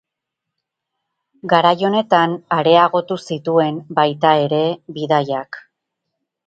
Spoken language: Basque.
Garai honetan areagotu zituen, baita ere, bidaiak.